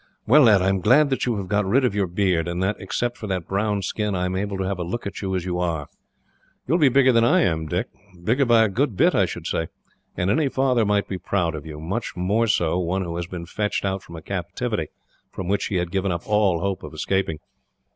Well, lad, I am glad that you have got rid of your beard, and that, except for that brown skin, I am able to have a look at you as you are. You will be bigger than I am, Dick bigger by a good bit, I should say, and any father might be proud of you, much more so one who has been fetched out from a captivity from which he had given up all hope of escaping.